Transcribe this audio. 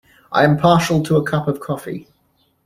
I am partial to a cup of coffee.